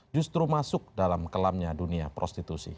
justru masuk dalam kelamnya dunia prostitusi